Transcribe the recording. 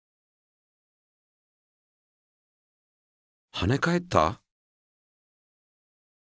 はね返った？